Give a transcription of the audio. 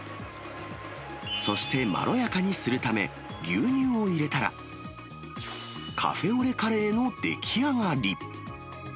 そしてまろやかにするため、牛乳を入れたら、カフェオレカレーの出来上がり。